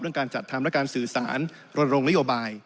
เรื่องการจัดทำและการสื่อสารรนรงนโยบาย